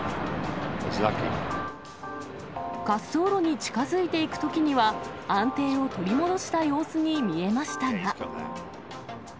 滑走路に近づいていくときには、安定を取り戻した様子に見えましたが。